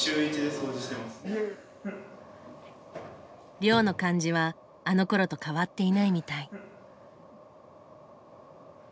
寮の感じはあのころと変わってないみたい。